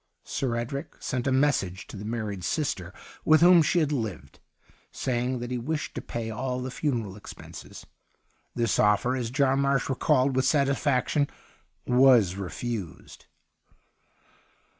Sir Edric sent a messenger to the married sister with whom she had lived, saying that he wished to pay all the funeral expenses. This offer, as John Marsh recalled with satis faction, was refused.